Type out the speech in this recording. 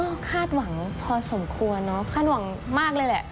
ก็คาดหวังพอสมควรเนอะคาดหวังมากเลยแหละ